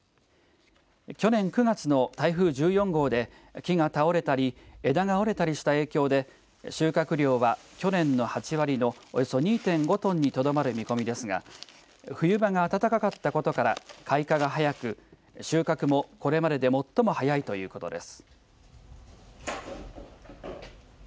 去年９月の台風１４号で木が倒れたり枝が折れたりした影響で収穫量は去年の８割のおよそ２．５トンにとどまる見込みですが冬場が暖かかったことから開花が早く収穫もこれまでで最も早いということです。